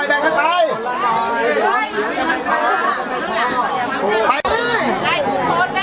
การปฏิเสธงนั้นแหละ